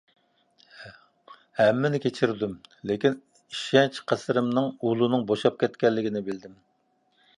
ھەممىنى كەچۈردۈم. لېكىن، ئىشەنچ قەسرىمنىڭ ئۇلىنىڭ بوشاپ كەتكەنلىكىنى بىلدىم.